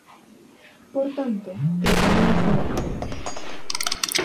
Por tanto, propoñemos un acordo.